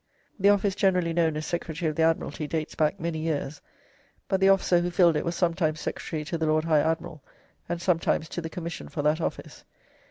[The office generally known as Secretary of the Admiralty dates back many years, but the officer who filled it was sometimes Secretary to the Lord High Admiral, and sometimes to the Commission for that office.